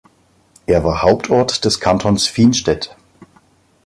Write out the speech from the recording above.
Er war Hauptort des Kantons Fienstedt.